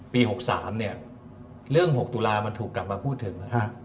๖๓เนี่ยเรื่อง๖ตุลามันถูกกลับมาพูดถึง